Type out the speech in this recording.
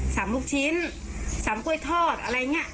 ลูกชิ้นสามกล้วยทอดอะไรอย่างนี้